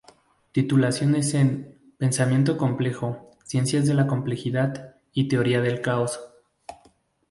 Titulaciones en: Pensamiento Complejo, Ciencias de la Complejidad y Teoría del Caos.